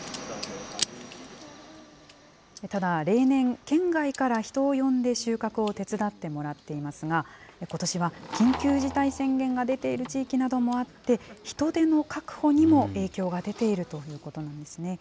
ただ、例年、県外から人を呼んで収穫を手伝ってもらっていますが、ことしは緊急事態宣言が出ている地域などもあって、人手の確保にも影響が出ているということなんですね。